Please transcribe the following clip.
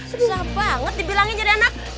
senggah banget dibilangin jadi anak